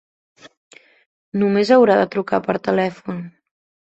Només haurà de trucar per telèfon.